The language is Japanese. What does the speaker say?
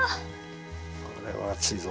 これは熱いぞ！